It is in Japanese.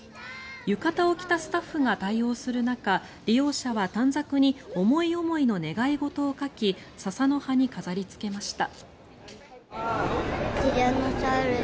浴衣を着たスタッフが対応する中利用者は短冊に思い思いの願い事を書きササの葉に飾りつけました。